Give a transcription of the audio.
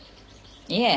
いえ。